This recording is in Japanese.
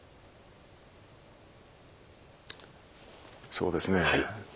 そうですね。